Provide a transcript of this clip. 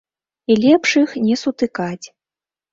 І лепш іх не сутыкаць.